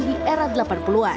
banyak yang telah lakukan